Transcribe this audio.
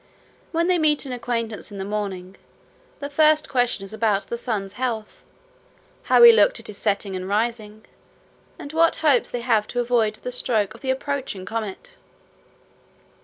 When they meet an acquaintance in the morning, the first question is about the sun's health, how he looked at his setting and rising, and what hopes they have to avoid the stroke of the approaching comet.